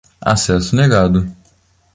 Acesso negado.